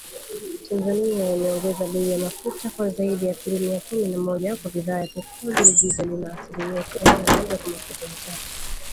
Tanzania imeongeza bei ya mafuta kwa zaidi ya asilimia kumi na moja kwa bidhaa ya petroli na dizeli, na asilimia ishirini na moja kwa mafuta ya taa